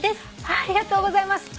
ありがとうございます。